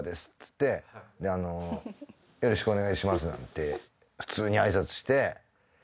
「よろしくお願いします」なんて普通に挨拶して。